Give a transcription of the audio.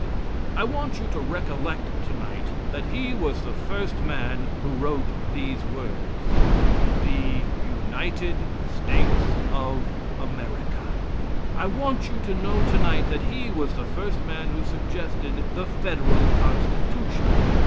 I want you to recollect tonight that he was the first man who wrote these words: "The United States of America." I want you to know tonight that he was the first man who suggested the Federal Constitution.